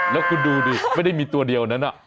แล้วคุณดูดิไม่ได้มีตัวเดียวนั้น